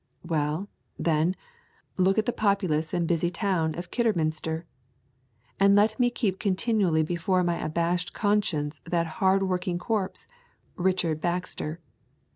Well, then, look at the populous and busy town of Kidderminster. And let me keep continually before my abashed conscience that hard working corpse Richard Baxter.